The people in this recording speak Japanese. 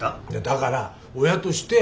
だから親として。